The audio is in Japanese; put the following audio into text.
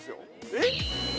えっ？